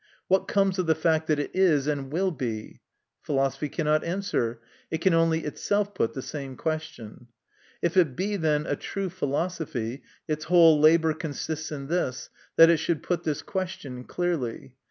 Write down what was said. What comes of the fact that it is and will be ?" Philosophy cannot answer; it can only itself put the same question. If it be, then, a true philosophy, its whole labour consists in this, that it should put this question clearly.